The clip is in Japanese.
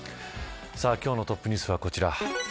今日のトップニュースはこちら。